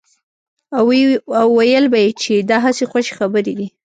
او ويل به يې چې دا هسې خوشې خبرې دي.